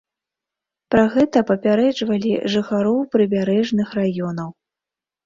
Пра гэта папярэджвалі жыхароў прыбярэжных раёнаў.